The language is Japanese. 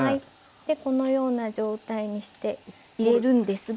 このような状態にして入れるんですが。